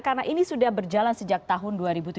karena ini sudah berjalan sejak tahun dua ribu tujuh belas